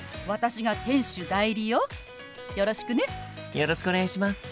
よろしくお願いします。